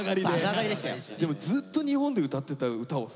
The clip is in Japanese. でもずっと日本で歌ってた歌をさ